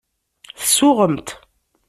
Tsuɣemt.